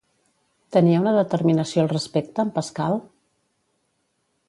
Tenia una determinació al respecte, en Pascal?